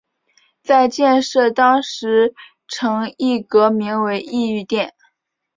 在建设当时成巽阁名为巽御殿。